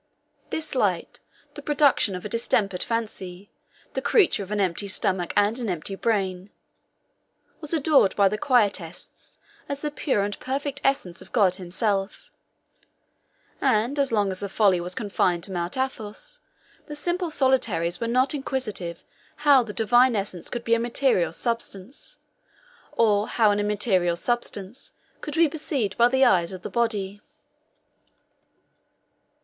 This light, the production of a distempered fancy, the creature of an empty stomach and an empty brain, was adored by the Quietists as the pure and perfect essence of God himself; and as long as the folly was confined to Mount Athos, the simple solitaries were not inquisitive how the divine essence could be a material substance, or how an immaterial substance could be perceived by the eyes of the body.